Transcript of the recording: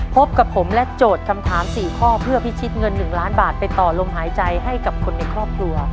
พบกับผมและโจทย์คำถาม๔ข้อเพื่อพิชิตเงิน๑ล้านบาทไปต่อลมหายใจให้กับคนในครอบครัว